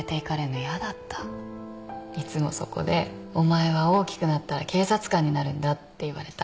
いつもそこで「お前は大きくなったら警察官になるんだ」って言われた。